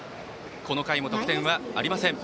この回も得点はありません。